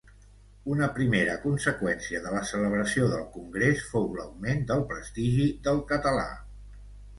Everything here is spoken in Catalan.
Una primera conseqüència de la celebració del Congrés fou l'augment del prestigi del català.